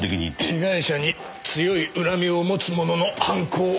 被害者に強い恨みを持つ者の犯行。